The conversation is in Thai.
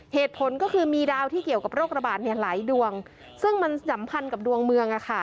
เหตุผลก็คือมีดาวที่เกี่ยวกับโรคระบาดหลายดวงซึ่งมันสัมพันธ์กับดวงเมือง